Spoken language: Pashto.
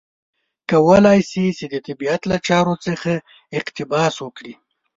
کولای شي چې د طبیعت له چارو څخه اقتباس وکړي.